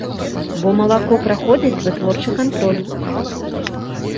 Бо малако праходзіць вытворчы кантроль.